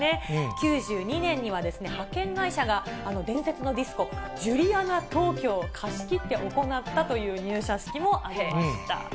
９２年には、派遣会社が、伝説のディスコ、ジュリアナ東京を貸し切って行ったという入社式もありました。